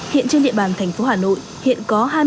hiện trên địa bàn thành phố hà nội